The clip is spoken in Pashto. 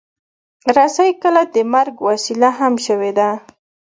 رسۍ کله د مرګ وسیله هم شوې ده.